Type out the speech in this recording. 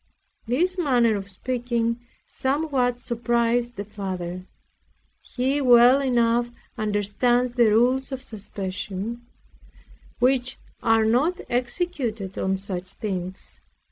This manner of speaking somewhat surprised the Father. He well enough understands the rules of suspension, which is not executed on such things.